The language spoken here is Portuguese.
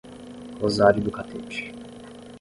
Rosário do Catete